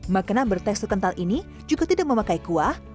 makanan bertekstur kental ini juga tidak memakai kuah